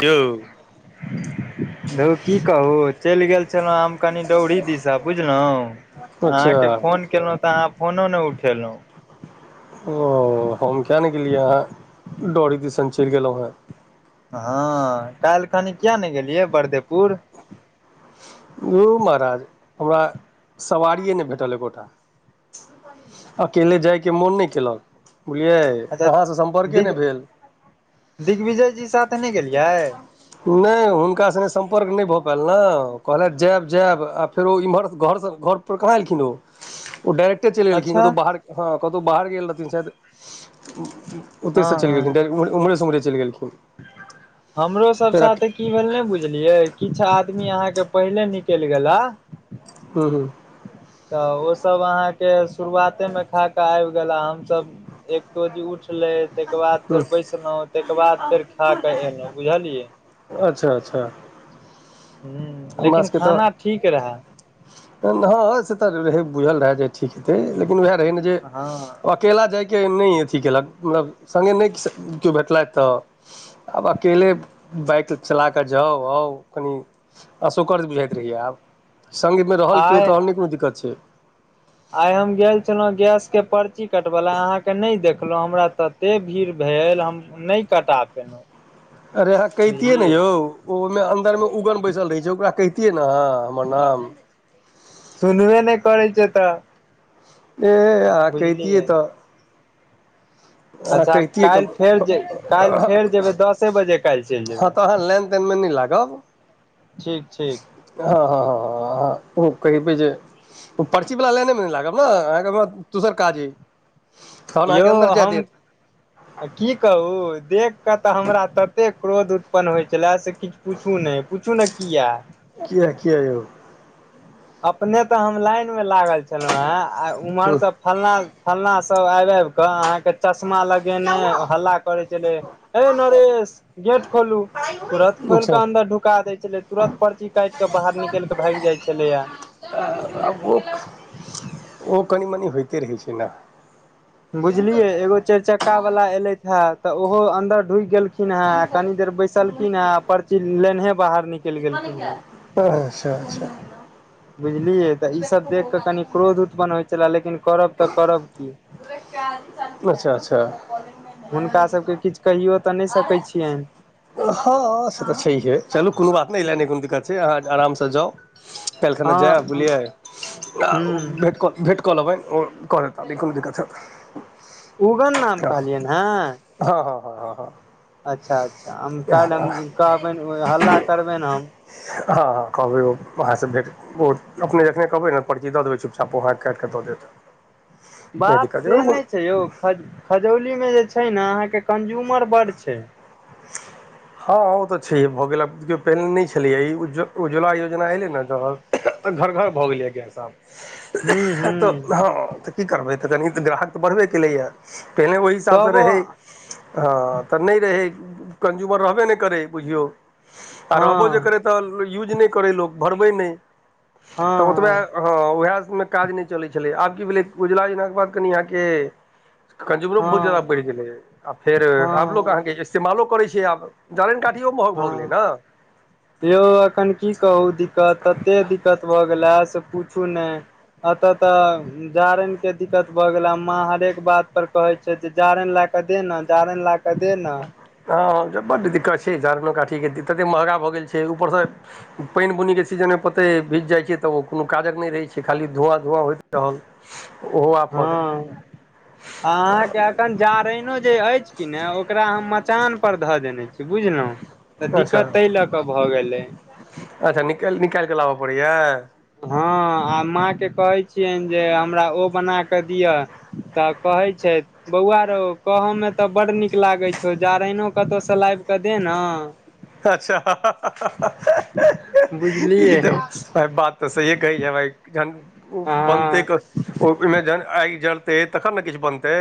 कि यै। धुर कि कहू चलि गेल छलहुँ आ कनि डौरी दिशा बुझलहु, अच्छा अहाँकेँ फोन केलहूँ तऽ अहाँ फोनो ने उठेलहूँ ओ हम किया नहि गेलियै आहा डॉरी दिसन चलि गेलहुँ हैं। हँ, कएल कनि किया ने गेलियै बरदेपुर यो महाराज हमरा सवारिए नहि भेटल एकोटा अकेले जायके मोन नहि केलकऽ बुझलियै अच्छा, अहाँसँ सम्पर्के दिघ नहि भेल दिग्विजयजी साथे नहि गेलियै नहि हुनका सांघे सम्पर्क नहि भऽ पायल ने कहलखिन जायब जायब आ फेरो इम्हर घर सँ घरपर कहना एयलखिन ओ। ओ डाइरेक्टे चलि गेलखिन अच्छा कतहु बाहर, ह, कतहु बाहर गेल रहथिन शायद। ओतहि हँ से चलि हँ गेलखिन उमर सँ उमर चल गेलखिन। हमरो सभ फेर साथे। कि भेल नहि बुझलियै किछु आदमी अहाँकेँ पहिले निकलि गेला। हू, हू। तऽ ओ सभ अहाँकेँ शुरुआते मे खा कऽ आबि गेल हमस एकतो द। उठलै ताहिके बाद हूँ फेर बैसलहु ताहिके बाद फेर खाके एलहुँ बुझलियै। अच्छा, अच्छा। हूँ हमरा लेकिन सबके तऽ खाना ठीक रहए हँ से तऽ रहै बुझल रहै जे ठीक हेतै लेकिन उएह रहै ने जे हँ केला जायके नहि अथि केलन मतलब संगे नहि केओ भेटलथि तऽ आब अकेले बाइक चला कऽ जाउ आउ कनि अशोकर्ज बुझाइत रहियै आब मे रहल कियो तऽ नहि कोनो दिक्कत छै आई हम गेल छलौं गैस के पर्ची कटवला अहा के नहि देख हमरा तते भीड़ भेल हम नहि कटा पेलहुँ अरे कहितियैय ने बुझलियै यौ ओहिमे अंन्दर मे उगन बैसल रहे छै ओकरा कतिये ने अहाँ हमर नाम सुनबे नहि करै छै तऽ ए आँहा कहितिय बुझलियै तऽ आहाँ अच्छा कैहतीयैय काल्हि फेर केकरो जे काल्हि फेर जेबै दसे बजे काल्हि चलि जेबै दन मे नई लागब ठीक ठीक हँ हँ हँ हँ ओ कहहि पे जे पर्ची वला लाइने मे नहि लागब न अहाँके दोसर काज अइ तहन यौ अहाँके अन्दर जाय हम देत आ की कहू देख कऽ तऽ हमरा तते क्रोध उत्पन्न होइ छलए से पूछू पुछू ने पूछू ने किया किया किया यौ अपने तऽ हम लाइन मे लागल छलहुँं हें आ उमर हूँ स फलना फलना सब आबि आबिकऽ अहाँके चश्मा लगेने हल्ला करै छलै है नरेश गेट खोलू तुरंत खोल अच्छा क अन्दर ढुका दै छलै तुरंत पर्ची काइट क बाहर निकल निकैल कऽ भाईग जाइ छलैया ओ कनि मनि होइते रहै छै न बुझलियै एगो चाएरि चक्का वाला एलैथ हे तऽ ओहो अंन्दर ढुकि गेल िन हे कनी देर बैसलखिन हेै पर्ची लेनेहे बाहर निकल अच्छा अच्छा बुझलियै तऽ ईसभ देख कऽ कनि क्रोध उत्पन्न होइ छएले लेकिन करब तऽ करब की अच्छा अच्छा हुनका सभके किछु कहियो तऽ नहि सकैत छियनि हँ से तऽ छैहे चलू कोनो बात नहि ऐले नहि कोनो दिक्कत छै अहाँ आरामसँ जाउ काइल खना हँ जायब बुलियै ह्म भेट क भेँट कऽ लेबैन ओ कऽ देता न ई कोनो दिक्कत हत उगन नाम कहलियैन हँ हँ हँ हँ हँ हँ अच्छा अच्छा हम काल्हि हँ हम कहबनि हल्ला करबैन हम हँ हँ कहबै ओ अहाँसँ भेट ओ अपने जखने कहबै न पर्ची दऽ देबै चुपचाप ओ हाँ कके [unintelligible] दऽ देत नहि दिक्कत खजौली मे जे छै न अहाँके कंज्यूमर बड्ड छै ह [unintelligible] हँ ओ तऽ छैहे भऽ गेल आब केओ पहिने नहि छलैए ई उज्जवला योजना एलै ने त तऽ घर घर भऽ गेलै गैस आब ह्म तऽ ह्म हँ तऽ की करबै तऽ कनीऽ ग्राहक तऽ बढ़बे केलै ह पहिनेे ओहि हिसाबसँ तबो रहै हँ तऽ नहि रहै कन्ज्यूमर रहबे नहि करै बुझियौ आ रहबो हँ जे करै तऽ यूज नहि करै लोक भरबै नहि तऽ ओतबे हँ ओहेमें काज नहि चलै छलै आब की भेलै उज्वला योजना के बाद कनि अहाँके कंज्युमरो बहुत ज्यादा हँ बढ़ि गेलै आ फेर हँ आब लोक हँ अहाँके इस्तेमालो करैत छै आब जारैन काठियो महग भऽ गेलै हँ ने यौ एखन की कहू दिक्कत तते दिक्कत भऽ गेला से पूछू नहि ऐत तऽ जारैन के दिक्कत भए गेलये माँ हरेक बात पर कहे छै जे जारैन लय के दे ने जारैन लए त देना हँ बड्ड दिक्कत छै जिरनो काठीके ततेक महँगा भऽ गेल छै ऊपरसँ पानि बुन्नीक के सीजनमे पते भीज जाइत छै तऽ ओ कोनो काजक नहि रहैत छै खाली धुआँ धुआँ होइत रहल ओहो आपद हँ अहाँके एखन जारैनो जे अछि कि ने ओकरा हम मचान पर धऽ देने छी बुझलहुँ तऽ दिक्कत ताहि लऽ कऽ भऽ गेलै अच्छािक निकालि कऽ लाबऽ पड़ैया हँ आ माँके कहै छियनि जे हमरा ओ बना कऽ दिअ तऽ कहै छै बौआ रऔ कहऽ मे तऽ बडड़ नीक लागैत छौ जारैनो कतहु सलाब अच्छा ई बुझलियै तऽ बात तऽ सही कहै छै भइ झन हँ बनते क ओहिमे जन आगि जलतै तखन ने किछु बनतै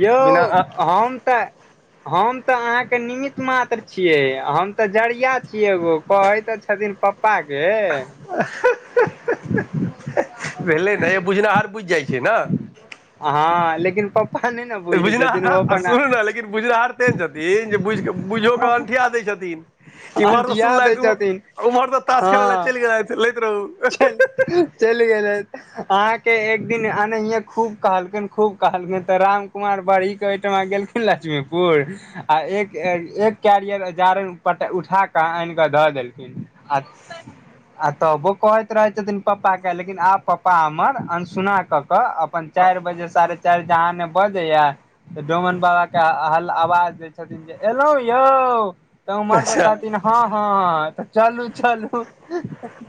यौ बिना हम तऽ हम तऽ अहाँके नीमीत मात्र छियै हम तऽ जरिया छियै एगो कहैत तऽ छथिन पा पप्पा के भेलै नै बुझनिहार बुझि जाइ छै ने हँ लेकिन प बुझना सुनू ने लेकिन बुझनाहारर तेहन छथिन जे बुझ कऽ बुझियओ कऽ अंठिया दै छथिन इमहर तऽ अंठिया दै सुनलथि छथिन उम्हर तऽ ताश खेलय ल हँ चलि गेलथि लैत रहू चल चलि गेलै अहाँके एक दिन ह खूब कहलकिन खूब कहलकिन तऽ राम कुमार बड़ी के ओहिठमा गेलखिन लक्ष्मीपुर आिय उठाक आनि क धऽ देलखिन आ त कहैत रहै छथिन पापाके लेकिन आब प्पा हमर अनसुना कऽ कऽ अपन चार बजे साढ़े चार बजे आने बजे यार त डोमन बाबा के हल आवाज दै छथिन जे एलहु यौ तऽ उमहर से अच्छा कहथिन हँ हँ त चलू चलू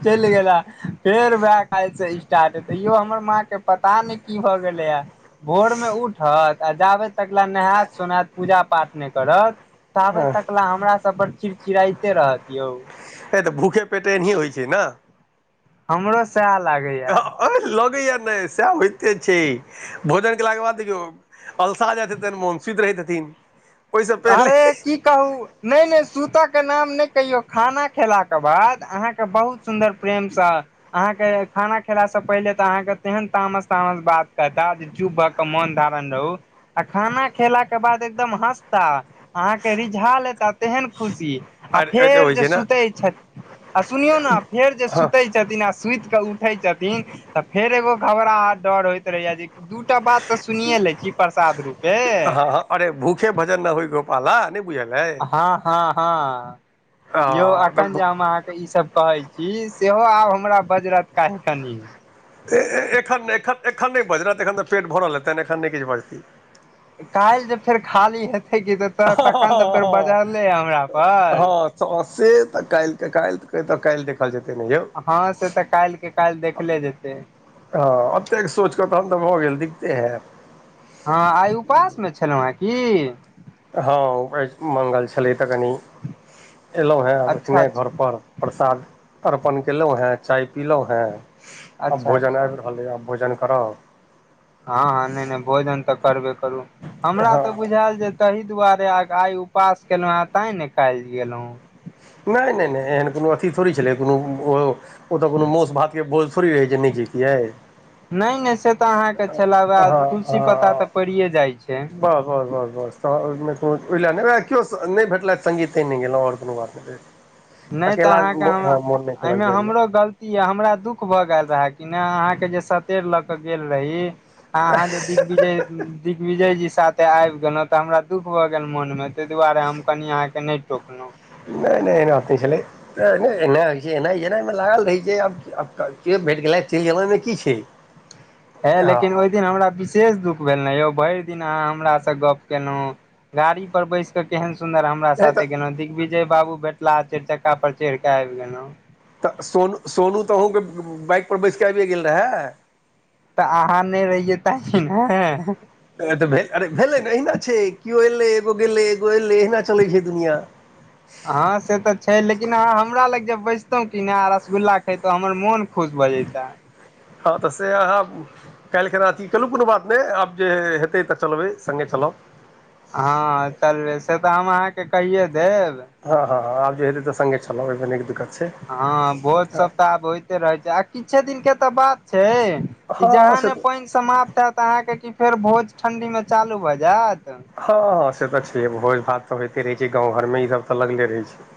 चलि गेल फेर वएह काल से स्टार्ट हे ते इो हमर माँ के पता नहि की भऽ गेलै ह भोरमे उठत आ जाबै तक ल नहायत सोनायत पूजा पाठ नहि करत ताबे हँ तक ल हमरा सब पर चिड़चिड़इते रहत यौ ए तऽ भूखे पेटे एना होइ छै ने हमरो सएह लागैए अ ले यार नहि सएह होइते छै भोजन केलाके बाद देखियौ अलसा जाइ हन मोनसद रहै हन अरे की नैई नेई सुत के नाम नहि कहि खाना खेला बाद अहाँ बहुत सुन्दर प्रेमसँ अहाँके खाना खेलासँ पहिले तऽ अहाँके तेहन तामस तामस बात कहता जे युवक मन धारण रहू आ खाना खेला के बाद एकदम हस ता अहाँके रिझाल एेता तेहन खुशी आ अरे फेर होइ जे छै ने सुतै छै आ सुनियौ ने फेर जे हँ सुतै छै छथिन आ सुति कऽ उठै छथिन तऽ फेर एगो घबरा डर होइत रहैया जे दूटा बात तऽ सुने लै छी प्रसाद रूपे हँ हँ अरे भूखे भजन न होई गोपाला नहि बुझल अइ हँ हँ ह यौ अख तऽ ई सब कहै छी सेहो आब हमरा बजरथ काहे कनि एखन एखन एखन नहि बजत एखन तऽ पेट भरल रहतनि एखन नहि किछु बजतै काल्हि जे फेर खाली हेते क तखन तऽ फेर हँ बजरले हमरा पर स तऽ काल्हि काल काल्हि देख कल जेतै नहि यौ हँ से तऽ काल्हिके काल्हि देखले जेतै हँ अब तेक सोच कऽ तऽ हम तऽ भऽ गेल दिखते है हँ आइ उपास मे छलहुँ हेँ की हँ उ मंगल छलै तऽ कनि एलहुँ हेँ आब अच्छा एखने अच्छा घरप प्रसाद अर्पण केलहुँ हँ चाय पीलहुँ हँ आब अच्छा भोजन अच्छा आबि रहलै आब भोजन करब हँ ह नहि नहि भोजन तऽ करबे करू हमरा हँ तऽ बुझायल जे ताहि दुआरे आ आइ उपवास केलहु आ तां ने खाइल गेल ह नहि नहि नहि एहन कोनो अथी थोड़ी छलै कोनो ओतऽ कोनो मासु भात के भोज थोड़ी रहै जे न ज किया ह [inaudible] नहि नहि से तऽ अहाँके छल ब हँ तुलसी पत्ता हँ तऽ पड़िये जाइ छै बस बस बस तऽ ओहिमे कोनो ओहि लए नहि ओए केओ नहि भेलथि सगीते नहि गेलहुँ आओर कोनो बात आ नहि तऽ अहाँके हम केलक एहिमे जाइमे हमरो गलती हमरा दुख भऽ गेल रहय कि ने अहाँके जे सतेर लऽ के गेल रही आ अहाँ ज दिग्विजय दिग्विजय जी साथे आबि गेलहुँ तऽ हमरा दुःख भऽ गेल मोनमे ताहि दुआरे हम कनि अहाँके नहि रोकलहुँ नहि नहि एनात नहि छलै एना होइत छै एना एनामे लागल रहै छै आब आब के भेट गेलथि चलि अमैमे की छै ह लेकिन हँ ओहि दिन हमरा विशेष दुःख भेल ने यौ भरि दिन अहाँ हमरास से गप केलहुँ गाड़ी पर बैस के केहन सुन्दर हम हमरा हे तऽ साथे गहु दिग्विजय बाबू भेटला चारि चक्का पर चढ़ के आबि गेलहु तऽ सोनू सोनू तऽ अहूँके बाइकपर बैसिकऽ आबियए गेल रहै तऽ अहाँ नहि रहियै तहि ने तऽ अरे भेलै ने अहिना छै केओ एलै एगो गेलै एगो एलै अहिना चलै छै दुनिया [inaudible] हँ से तऽ छै लेकिन अहाँ हमरा लग जेब बैसतहु की ने रसगुल्ला खैतहु हमर मोन खुश बजैता हँ तऽ से अहाँ काल्हिखना अथि कहुँ कोनो बात नहि आब जे हेतै तऽ चलबै संघ चलब। हँ, चलबै से तऽ हम अहाँकेँ कहिए देब हँ, हँ, आब जे हे तऽ संघे चलब दिक्कत। छै हँ, भोज सभ तऽ आब होइते रहै छै, आ किछे दिनके तऽ बात छै। ई, हँ जहाँ से ने पाइन समाप्त हयत अहाँकेँ कि फेर भोज ठण्डीमे चालू भए जायत हँ, हँ, से तऽ छै, भोज भात तऽ होइते रहे छै, गाव घरमे ई सभ तऽ लगले रहे छै।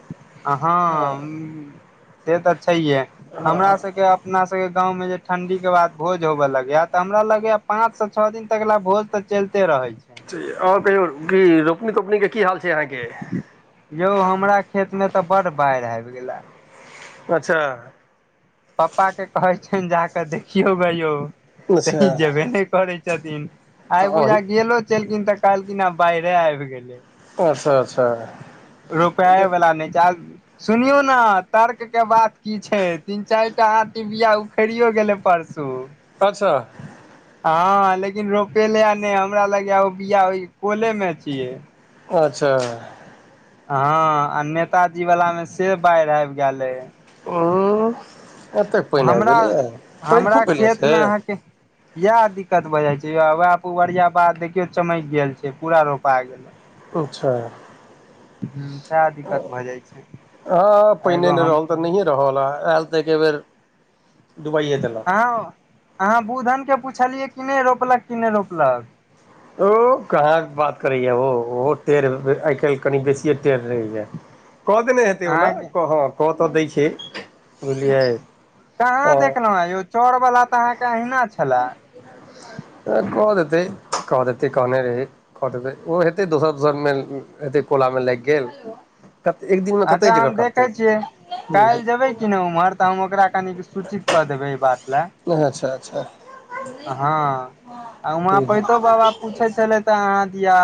हँ से तऽ छैहे हमरा सभके अपना सभके गाम मे जे ठण्डीके बाद भोज होबऽ लगैया तऽ हमरा लगैया पाँचसँ छओ दिन तक लए भोज तऽ चलते रहै छै। आओर कहियौ क रोपनी तोपनीके कि हाल छै, अहाँकेँ यौ हमरा खेतमे तऽ बड बाढ़ि आबि गेलिया। अच्छा। पप्पा के कहैत छनि जाकऽ देखियौ जा कऽ यौ अच्छा तहि जेबे नहि करैत छथिन। आइ तऽ बूझा अही गेलो छलखिन तऽ कहलखिन आ बारे आबि गेलै। अच्छा, अच्छा। रुपए आइ वला नहि छै। सुनियौ ने तर्क के बात कि छै, तीन चारिटा यहाँ फेरियो गेलै परसू। अच्छा। हँ, लेकिन रोपेले आ नहि हमरा लागय बियाहि कले मे छीयै अच्छा। हँ, आ नेताजी वलामे से बाढ़ आब गेले। उँ एतेक पानि आबि हमरा गेलैए पानि हमरा खूब भेलैए से खेतमे अहाँकेँ इएह दिक्कत भए जाय छै, वएह पुबरिया बाध देखियो चमक गेल छै, पूरा रोपा गेले अच्छा। हूँ, साह। हँ, पहिने एगो नहि हम रहल तऽ नहिए रहल ह आयल तऽ एके बेर दुबाइए देलअ। ह, अहाँ बूधन के पुछलियै कि नहि रोपलक कि नहि रोपलक औ कहाँ बात करैए ओ ओहो टेढ़ आइ काल्हि कनि बेसिए टेढ़ रहैए। कऽ देने हेतै ओना, अहाँके हँ, कऽ तऽ दै छै बुझलियै कहाँ हँ देखलहु हे यौ चोर वला तऽ अहाँकेँ अहिना छले कह देते कह देते कहने रहे कटतै ओ हेतै दोसर दोसर मे हेतै कोला मे लागि गेल कऽ एक दिन अच्छा, हम देखे छियै, काल्हि जेबै कि नहि उम्हर। तऽ हम ओकरा कनि कऽ सूचित कऽ देबै ई बात लाय, अच्छा अच्छा हँ। आ, वहाँ पैतो बाबा पूछे छलैथ। कहाँ दिया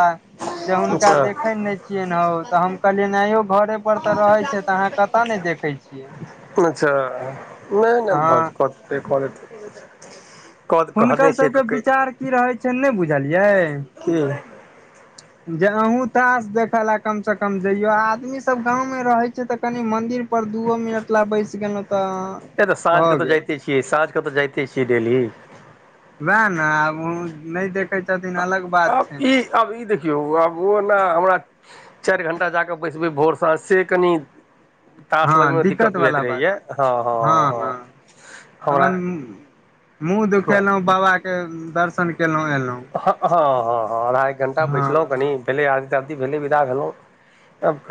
जे हुनका देखे ने छिय हौ तऽ हम अच्छा कहदेलिये आयो घरे तऽ रहै छै, अहाँ कत न देखै छियै। अच्छा, नहि अहाँ नहि। कऽ कहने हुनकर छियै सभके तऽ की विचार कि रहै छै, नहि बुझलियै। ए जे अहूँ तास देखे लऽ कम से कम जइयो आदमी सब गाम मे रहे छै त कनि मंदिर दू ओ मिनट ल बैस गेलहु त भऽ गेल छिय साँझ क त जाइते छियै डेली वैह नहि आब ओ नहि देखै छथिन अलग बात आब छनि ई आब ई देखियौ आब ओ ने हमरा चार घण्टा जाके बैसबै भोर साँझ से कनि तास हँ लगबे मे दिक्कत भुझाइत वाला रहैय बात हँ हँ हँ हमरा अपन मुँह हँ दुखेलू बाबा के दर्शन केलो एलो हँ हँ हँ हँ आधा एक घंटा बैसलो कनी भेले आदी आदी भेले विदा भेलु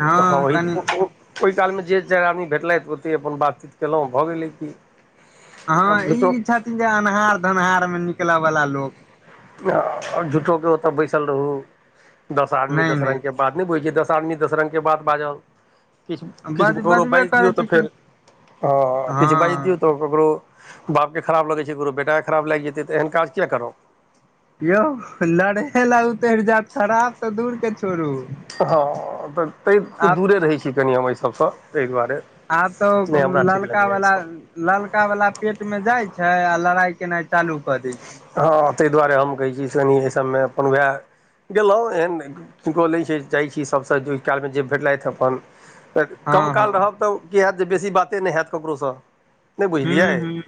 हँ ई कनि [unintelligible] ओहि कालमे जे चारि आदमी भेटले ओतेक अपन बातचीत कयलो भ गेलै कि हँ ई छथिन जे अन्हार धन्हार मे निकलय वला लोक झूठो के ओत बैसल रहु दस आदमी नहि दस नहि रंग के बात नहि बुझ छियै दस आदमी दस रंग के बात बाजल किछ किछ बज ककरो बजबे बाज दियौ करै त छै कि फेर ह किछ बाज दियौ हँ त ककरो बाप के खराब लगै छै ककरो बेटा के खराब लाग जेतै त एहन काज किया करबँ यौ लड़े ल उतरि जाएत खराब त दूर के छोड़ू हँ त तै त आब दूरे रहै छी कनि हम एहि सभसँ ते दुआरे आब तो नहि हमरा ठीक ललका लगैए वाला ई सब ललका वाला पेट मे जाइ छै आ लड़ाई केनाइ चालू क दै छै हँ ताहि दुआरे हम कहै छी से कनि एहि सभ मे अपन वएह गेलहुँ एहन की बोलै छै जाइ छी सभ सँ जेहि कालमे जे भेटलथि अपन हँ कम हँ काल रहब त की हायत जे बेसी बाते नहि हायत ककरोसँ नहि हूँ बुझलियै हूँ